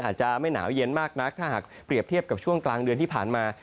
อาจจะไม่หนาวเย็นมากนักถ้าหากเปรียบเทียบกับช่วงกลางเดือนที่ผ่านมา